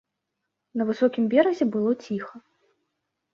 На высокім беразе было ціха.